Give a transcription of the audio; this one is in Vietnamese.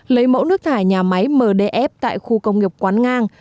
lấy mẫu nước thải nhà máy mdf tại khu công nghiệp quán ngang